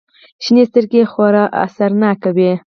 شنې سترگې يې خورا اثرناکې وې.